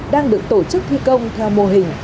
đang được tổ chức thi công theo mô hình